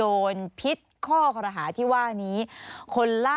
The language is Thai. สนุนโดยน้ำดื่มสิง